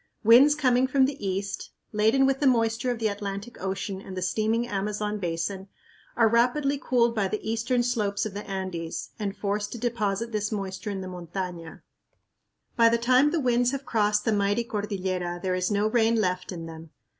Winds coming from the east, laden with the moisture of the Atlantic Ocean and the steaming Amazon Basin, are rapidly cooled by the eastern slopes of the Andes and forced to deposit this moisture in the montaña. By the time the winds have crossed the mighty cordillera there is no rain left in them.